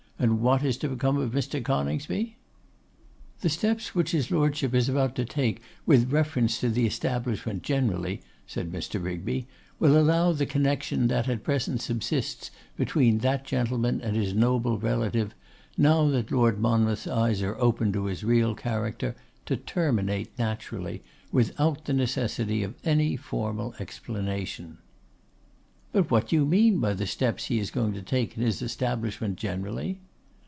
And what is to become of Mr. Coningsby?' 'The steps which his Lordship is about to take with reference to the establishment generally,' said Mr. Rigby, 'will allow the connection that at present subsists between that gentleman and his noble relative, now that Lord Monmouth's eyes are open to his real character, to terminate naturally, without the necessity of any formal explanation.' 'But what do you mean by the steps he is going to take in his establishment generally?